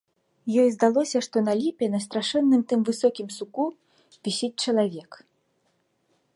Ёй здалося, што на ліпе, на страшэнным тым высокім суку вісіць чалавек.